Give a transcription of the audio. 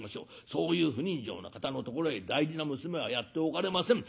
そういう不人情な方のところへ大事な娘はやっておかれません。